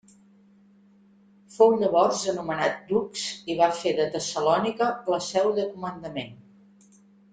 Fou llavors anomenat dux i va fer de Tessalònica la seu de comandament.